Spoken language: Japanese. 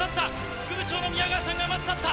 副部長の宮川さんがまず立った。